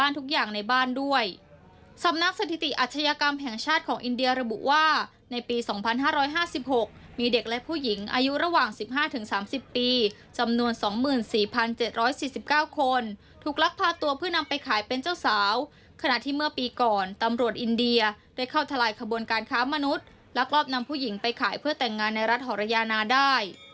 ทุกอย่างในบ้านด้วยสำนักสถิติอาชญากรรมแห่งชาติของอินเดียระบุว่าในปี๒๕๕๖มีเด็กและผู้หญิงอายุระหว่าง๑๕๓๐ปีจำนวน๒๔๗๔๙คนถูกลักพาตัวเพื่อนำไปขายเป็นเจ้าสาวขณะที่เมื่อปีก่อนตำรวจอินเดียได้เข้าทลายขบวนการค้ามนุษย์ลักลอบนำผู้หญิงไปขายเพื่อแต่งงานในรัฐหรยานาได้